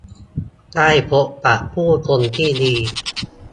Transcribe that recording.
ได้พบปะผู้คนที่ดี